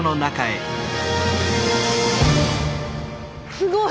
すごい！